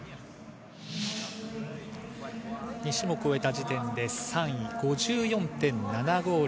２種目を終えた時点で３位、５４．７５０。